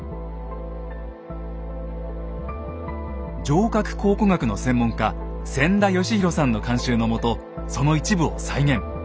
城郭考古学の専門家千田嘉博さんの監修のもとその一部を再現。